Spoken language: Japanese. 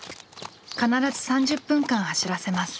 必ず３０分間走らせます。ＯＫ。